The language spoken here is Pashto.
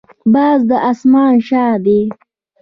باز د اسمان شاه دی